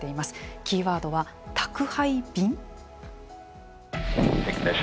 キーワードは宅配便！？